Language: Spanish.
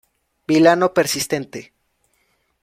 Vilano persistente.